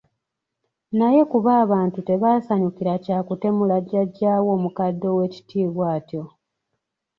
Naye kuba abantu tebaasanyukira kya kutemula jjajjaawe omukadde ow'ekitiibwa atyo.